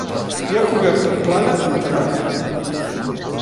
Hi ha coberta plana amb terrat.